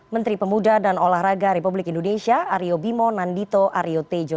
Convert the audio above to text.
menteri pemuda dan olahraga republik indonesia aryo bimonan dito aryo tejo